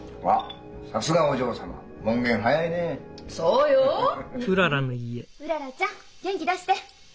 うららちゃん元気出して！